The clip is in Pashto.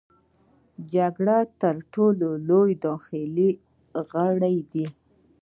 جګر تر ټولو لوی داخلي غړی دی.